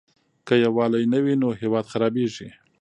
که يووالی نه وي نو هېواد خرابيږي.